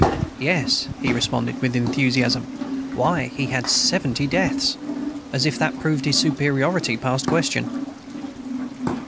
"Yes," he responded with enthusiasm. "Why, he had seventy deaths!" as if that proved his superiority past question.